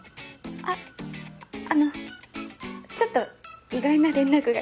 あっあのちょっと意外な連絡が来て。